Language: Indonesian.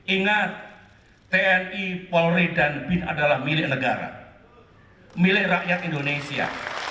ingat tni polri dan bin adalah milik negara milik rakyat indonesia